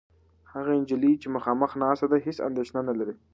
هغه نجلۍ چې مخامخ ناسته ده، هېڅ اندېښنه نهلري.